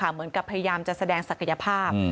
เหมือนกับพยายามจะแสดงศักยภาพ